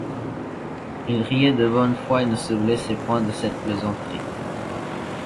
Il riait de bonne foi et ne se blessait point de cette plaisanterie.